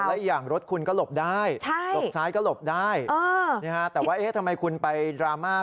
และอีกอย่างรถคุณก็หลบได้หลบซ้ายก็หลบได้แต่ว่าเอ๊ะทำไมคุณไปดราม่า